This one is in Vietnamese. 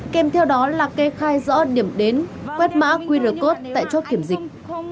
kèm theo đó là kê khai rõ điểm đến quét mã qr code tại chốt kiểm dịch